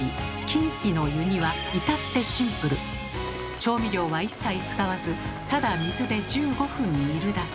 調味料は一切使わずただ水で１５分煮るだけ。